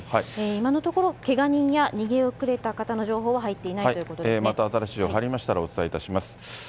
今のところ、けが人や逃げ遅れた方の情報は入っていないといまた新しい情報入りましたらお伝えします。